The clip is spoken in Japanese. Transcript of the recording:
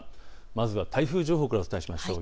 まずは台風情報からお伝えしましょう。